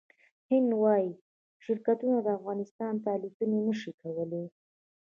هندي هوايي شرکتونه افغانستان ته الوتنې نشي کولای